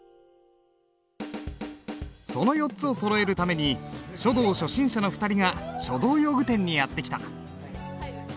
その４つをそろえるために書道初心者の２人が書道用具店にやって来た。